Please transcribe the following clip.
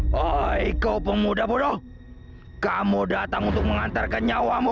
hahaha oh ikut pemuda bodoh kamu datang untuk mengantarkan nyawamu